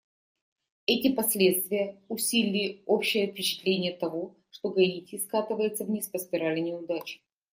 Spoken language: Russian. Эти последствия усилили общее впечатление того, что Гаити скатывается вниз по спирали неудач.